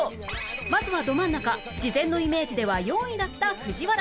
まずはど真ん中事前のイメージでは４位だった藤原